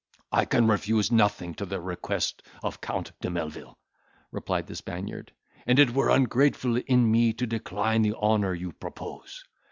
"I can refuse nothing to the request of Count de Melvil," replied the Spaniard, "and it were ungrateful in me to decline the honour you propose.